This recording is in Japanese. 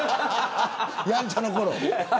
やんちゃなころ。